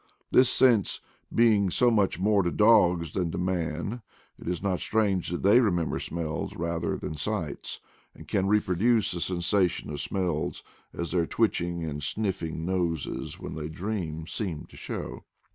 This sense being so much more to dogs than to man, it is not strange that they remember smells rather than sights, and can reproduce the sensation of smells, as their twitching and sniffing noses when they dream seem to show.